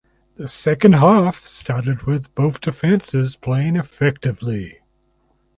The second half started with both defenses playing effectively.